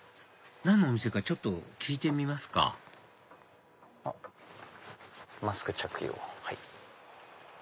何のお店かちょっと聞いてみますか「マスク着用」。